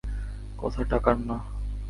কথা টাকার না।